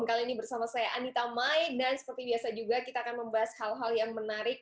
kali ini bersama saya anita mai dan seperti biasa juga kita akan membahas hal hal yang menarik